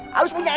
harus punya etika